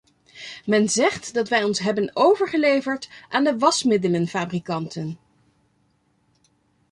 Men zegt dat wij ons hebben overgeleverd aan de wasmiddelenfabrikanten.